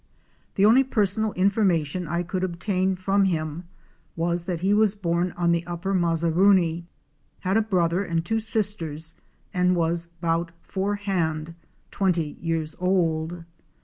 The only personal information I could obtain from him was that he was born on the upper Mazaruni, had a brother and two sisters and was '?bout four hand" (twenty) years old.